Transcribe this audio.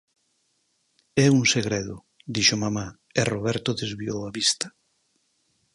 _É un segredo _dixo mamá, e Roberto desviou a vista.